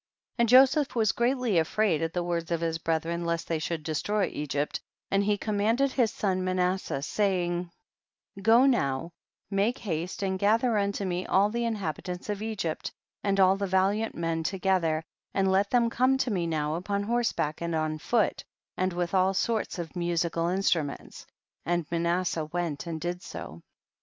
35. And Joseph was greatly afraid at the words of his brethren lest they should destroy Egypt, and he com manded his son Manasseh, saying, go now make haste and gather unto me all the inhabitants of Egypt and all the valiant men together, and let them come to me now upon horse back and on foot and with all sorts q/" musical instruments, and Manas seh went and did so.